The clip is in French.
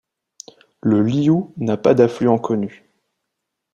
Le Lioux n'a pas d'affluent connu.